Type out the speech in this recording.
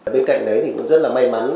bên cạnh đấy thì cũng rất là may mắn